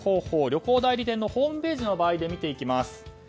旅行代理店のホームページの場合で見ていきます。